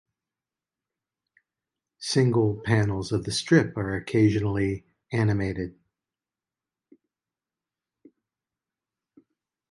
Single panels of the strip are occasionally animated.